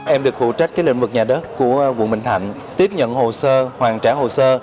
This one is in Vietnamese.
em được phụ trách lĩnh vực nhà đất của quận bình thạnh tiếp nhận hồ sơ hoàn trả hồ sơ